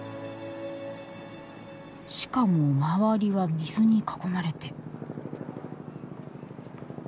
しかも周りは水に囲まれて。